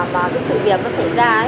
khi mà cái sự việc nó xảy ra ấy